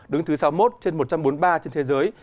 đứng thứ sáu mươi một trên một trăm bốn mươi ba trên thế giới